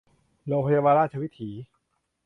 โรงพยาบาลราชวิถี